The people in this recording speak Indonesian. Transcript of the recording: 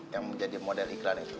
yang menjadi model iklan itu